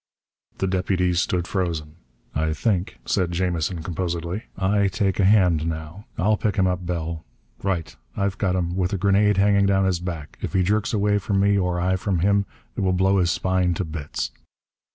The deputies stood frozen. "I think," said Jamison composedly, "I take a hand now. I'll pick him up, Bell.... Right. I've got him. With a grenade hanging down his back. If he jerks away from me, or I from him, it will blow his spine to bits."